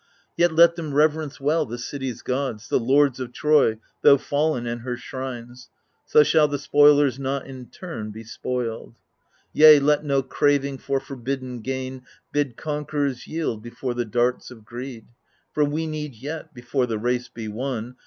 Yet let them reverence well the city's gods, The lords of Troy, tho' fallen, and her shrines ; So shall the spoilers not in turn be spoiled. Yea, let no craving for forbidden gain Bid conquerors yield before the darts of greed. For we need yet, before the race be won.